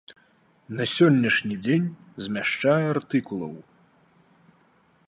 На сённяшні дзень змяшчае артыкулаў.